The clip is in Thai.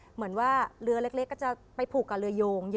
เหมือนว่าเรือเล็กก็จะไปผูกกับเรือโยง